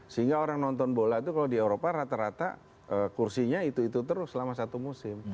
sehingga orang nonton bola itu kalau di eropa rata rata kursinya itu itu terus selama satu musim